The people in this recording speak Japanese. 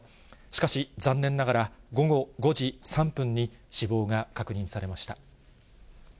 しかし、残念ながら、午後５時３分に死亡が確認されました。